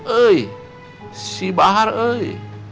oi si bahar oi